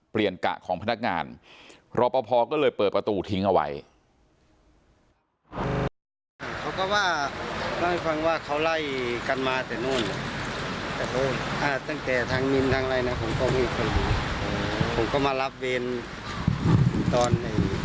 เปลี่ยนกะของพนักงานรอบพ่อพอก็เลยเปิดประตูทิ้งเอาไว้